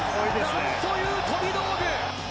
なんという飛び道具。